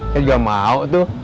saya juga mau tuh